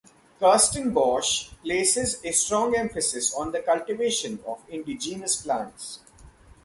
Kirstenbosch places a strong emphasis on the cultivation of indigenous plants.